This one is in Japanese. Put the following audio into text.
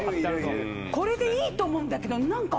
これでいいと思うんだけど何か。